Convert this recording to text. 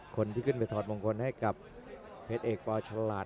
คนที่ขึ้นไปถอดมงคลให้กับเพชรเอกปฉลาด